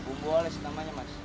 bumbu oles namanya mas